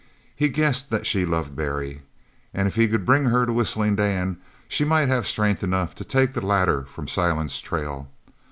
He guessed that she loved Barry and if he could bring her to Whistling Dan she might have strength enough to take the latter from Silent's trail.